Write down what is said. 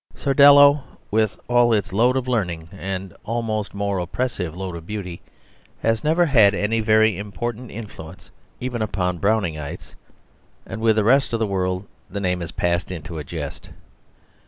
Sordello, with all its load of learning, and almost more oppressive load of beauty, has never had any very important influence even upon Browningites, and with the rest of the world the name has passed into a jest.